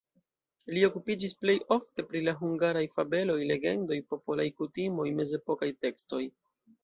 Li okupiĝis plej ofte pri la hungaraj fabeloj, legendoj, popolaj kutimoj, mezepokaj tekstoj.